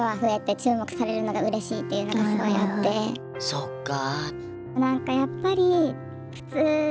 そっか。